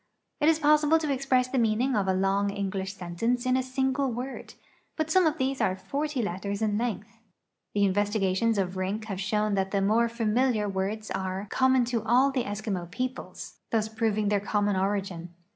It is possible to express the meaning of a long English sentence in a single word, but some of these are forty letters in length. The investigations of Rink have shown that the more familiar words are common to all the Eskimo peoples, thus prov ing their common origin.